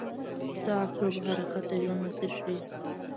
• د عقربو حرکت د ژوند مسیر ښيي.